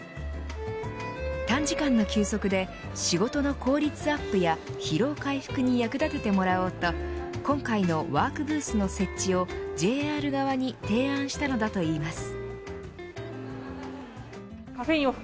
短時間の休息で仕事の効率アップや疲労回復に役立ててもらおうと今回のワークブースの設置をＪＲ側に提案したのだといいます。